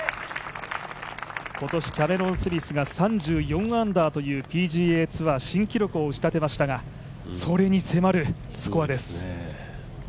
今年キャメロン・スミスが３４アンダーというＰＧＡツアー新記録を打ち立てましたが、それに迫るスコアです。